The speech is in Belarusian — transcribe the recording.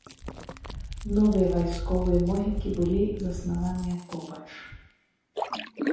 Новыя вайсковыя могілкі былі заснаваныя побач.